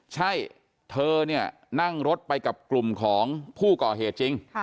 ใช่เธอเนี่ยนั่งรถไปกับกลุ่มของผู้ก่อเหตุจริง